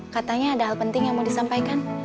katanya ada hal penting yang mau disampaikan